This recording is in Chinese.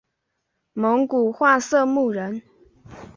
蒙古化色目人。